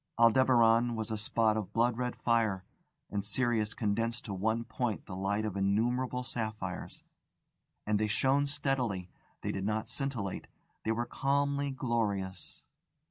Aldebaran was a spot of blood red fire, and Sirius condensed to one point the light of innumerable sapphires. And they shone steadily: they did not scintillate, they were calmly glorious.